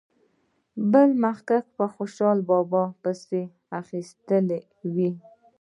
بل محقق په خوشال بابا پسې اخیستې وي.